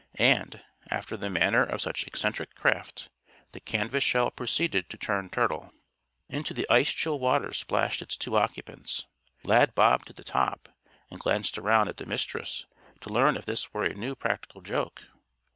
And, after the manner of such eccentric craft, the canvas shell proceeded to turn turtle. Into the ice chill waters splashed its two occupants. Lad bobbed to the top, and glanced around at the Mistress to learn if this were a new practical joke.